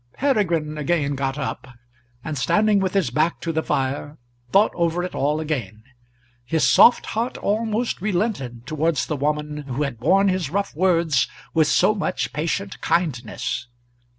Peregrine again got up, and standing with his back to the fire, thought over it all again. His soft heart almost relented towards the woman who had borne his rough words with so much patient kindness.